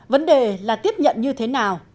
vấn đề là tiếp nhận như thế nào